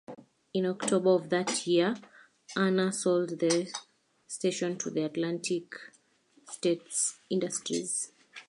In October of that year, Urner sold the station to Atlantic States Industries.